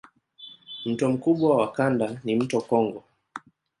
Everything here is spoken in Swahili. Mto mkubwa wa kanda ni mto Kongo.